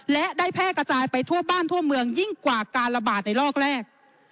และได้แพร่กระจายไปทั่วบ้านทั่วเมืองยิ่งกว่าการระบาดในรอบแรก